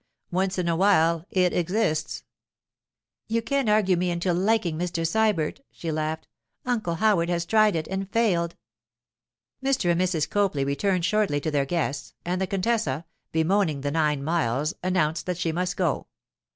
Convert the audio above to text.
Once in a while it exists.' 'You can't argue me into liking Mr. Sybert,' she laughed; 'Uncle Howard has tried it and failed.' Mr. and Mrs. Copley returned shortly to their guests; and the contessa, bemoaning the nine miles, announced that she must go.